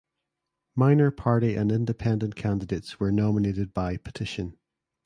Minor party and independent candidates were nominated by petition.